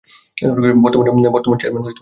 বর্তমান চেয়ারম্যান- মো: তারা মিয়া